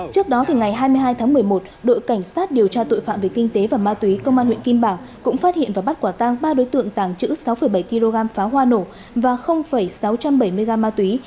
trước đó ngày hai mươi hai tháng một mươi một đội cảnh sát điều tra tội phạm về kinh tế và ma túy công an huyện kim bảng cũng phát hiện và bắt quả tang ba đối tượng tàng trữ sáu bảy kg pháo hoa nổ và sáu trăm bảy mươi g ma túy